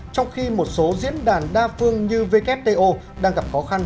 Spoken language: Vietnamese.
trong khi một số diễn đàn đa phương như wto đang gặp khó khăn